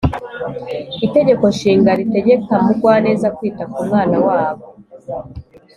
itegeko shinga ritegeka mugwaneza kwita ku mwana wabo.